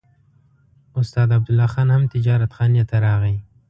استاد عبدالله خان هم تجارتخانې ته راغی.